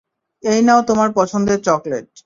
এই নাও তোমার পছন্দের চকলেট।